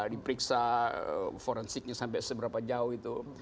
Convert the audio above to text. diperiksa forensiknya sampai seberapa jauh itu